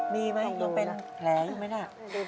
มีไหมยังเป็นแผลอยู่ไหมน่ะ